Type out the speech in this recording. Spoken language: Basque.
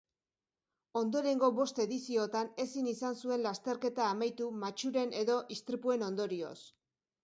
Ondorengo bost edizioetan ezin izan zuen lasterketa amaitu matxuren edo istripuen ondorioz.